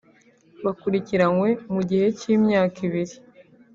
bakurikiranwe mu gihe cy’imyaka ibiri